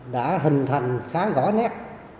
đã hình thành khá gõ nét